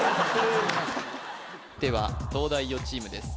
では東大王チームです